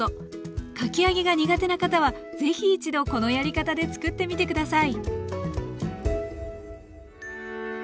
かき揚げが苦手な方は是非一度このやり方で作ってみて下さい。